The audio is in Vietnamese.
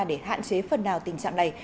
để hạn chế phần nào tình trạng này